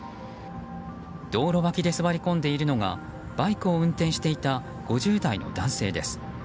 道路脇で座り込んでいるのがバイクを運転していた５０代の男性です。